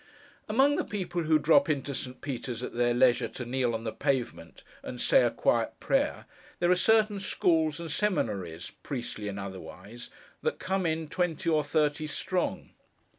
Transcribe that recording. Among the people who drop into St. Peter's at their leisure, to kneel on the pavement, and say a quiet prayer, there are certain schools and seminaries, priestly and otherwise, that come in, twenty or thirty strong.